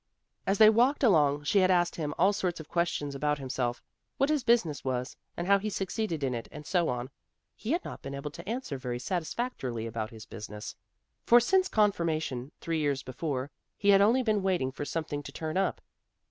As they walked along she had asked him all sorts of questions about himself; what his business was, and how he succeeded in it and so on. He had not been able to answer very satisfactorily about his business, for since Confirmation, three years before, he had only been waiting for something to turn up.